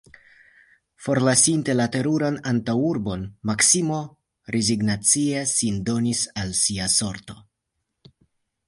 Forlasinte la teruran antaŭurbon, Maksimo rezignacie sin donis al sia sorto.